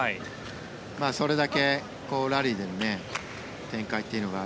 それだけラリーでの展開というのが